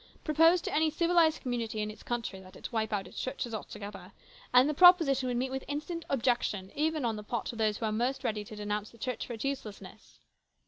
Propose to any civilised community in this country that it wipe out its churches altogether, and the proposition would meet with instant objection even on the part of those who are most ready to denounce the Church for its uselessness.